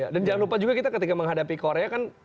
dan jangan lupa juga kita ketika menghadapi korea kan